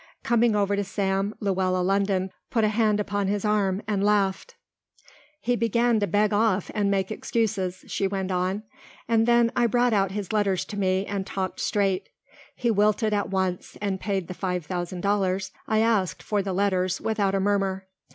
Coming over to Sam, Luella London put a hand upon his arm and laughed. "He began to beg off and make excuses," she went on, "and then I brought out his letters to me and talked straight. He wilted at once and paid the five thousand dollars I asked for the letters without a murmur.